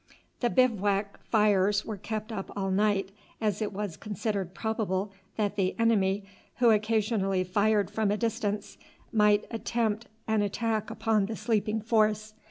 The bivouac fires were kept up all night, as it was considered probable that the enemy, who occasionally fired from a distance, might attempt an attack upon the sleeping force.